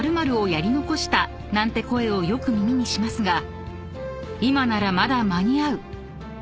［なんて声をよく耳にしますが今ならまだ間に合う！］